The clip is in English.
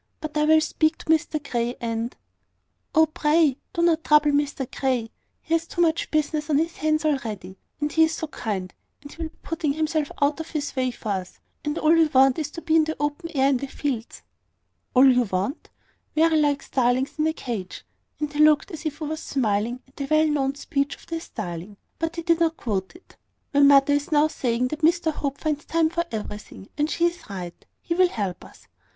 But I will speak to Mr Grey, and " "Oh, pray, do not trouble Mr Grey! He has too much business on his hands already; and he is so kind, he will be putting himself out of his way for us; and all we want is to be in the open air in the fields." "`All you want!' very like starlings in a cage;" and he looked as if he was smiling at the well known speech of the starling; but he did not quote it. "My mother is now saying that Mr Hope finds time for everything: and she is right. He will help us.